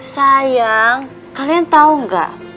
sayang kalian tau gak